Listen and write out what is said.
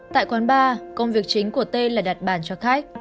tại quán bar công việc chính của tê là đặt bàn cho khách